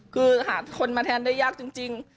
คือหาคนมาแทนได้ยากจริง